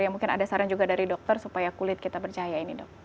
mungkin ada saran juga dari dokter supaya kulit kita bercahaya ini dok